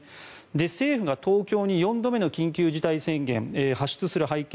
政府が東京に４度目の緊急事態宣言を発出する背景